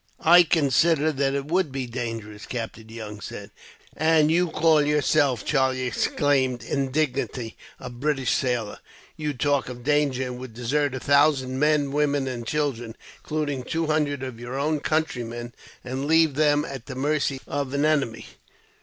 "I consider that it would be dangerous," Captain Young said. "And you call yourself," Charlie exclaimed indignantly, "a British sailor! You talk of danger, and would desert a thousand men, women, and children, including two hundred of your own countrymen, and leave them at the mercy of an enemy!"